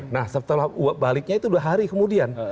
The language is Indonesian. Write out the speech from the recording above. nah setelah baliknya itu dua hari kemudian